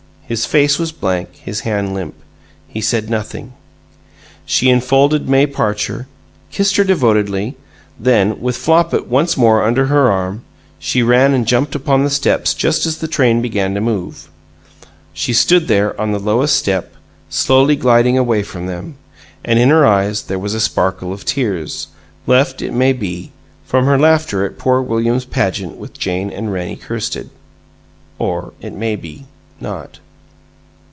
His face was blank, his hand limp. He said nothing. She enfolded May Parcher, kissed her devotedly; then, with Flopit once more under her arm, she ran and jumped upon the steps just as the train began to move. She stood there, on the lowest step, slowly gliding away from them, and in her eyes there was a sparkle of tears, left, it may be, from her laughter at poor William's pageant with Jane and Rannie Kirsted or, it may be, not.